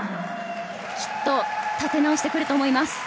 きっと立て直してくると思います。